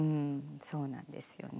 そうなんですよね。